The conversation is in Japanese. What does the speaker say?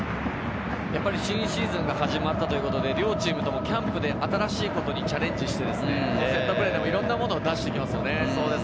新シーズンが始まったことで、両チームともキャンプで新しいことにチャレンジして、セットプレーでもいろいろなものを出してきますね。